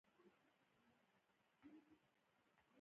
پیرودونکي په منصفانه قیمت ټینګار کوي.